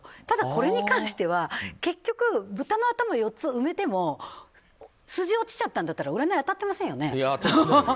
ただ、これに関しては結局、ブタの頭４つ埋めても数字落ちちゃったんだったら占い当たってませんよね。